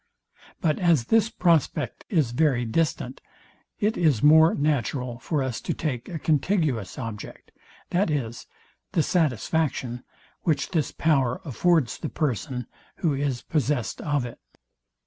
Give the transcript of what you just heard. But as this prospect is very distant, it is more natural for us to take a contiguous object, viz, the satisfaction, which this power affords the person, who is possest of it.